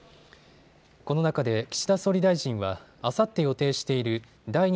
この中で岸田総理大臣はあさって予定している第２